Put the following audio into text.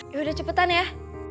yaudah cepetan ya